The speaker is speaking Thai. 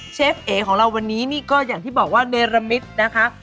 เชฟเอ๋ของเราวันนี้นี่ก็อย่างที่บอกว่าเนรมิตนะคะ